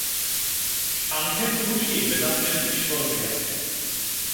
সাংখ্যের পুরুষই বেদান্তের ঈশ্বর হইয়াছেন।